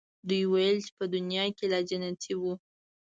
دوی ویل چې په دنیا کې لا جنتیی وو.